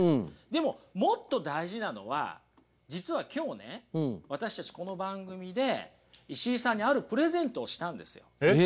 でももっと大事なのは実は今日ね私たちこの番組で石井さんにあるプレゼントをしたんですよ。